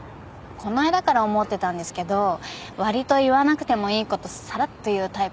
こないだから思ってたんですけどわりと言わなくてもいいことさらっと言うタイプですよね。